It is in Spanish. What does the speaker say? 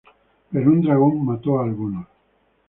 Pero un dragón mató a algunos.